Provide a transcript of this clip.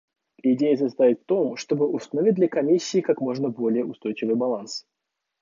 Идея состоит в том, чтобы установить для Комиссии как можно более устойчивый баланс.